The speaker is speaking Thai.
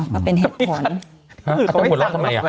ก็เป็นเหตุผล